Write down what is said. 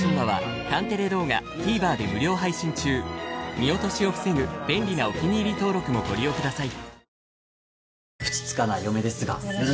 見落としを防ぐ便利なお気に入り登録もご利用ください。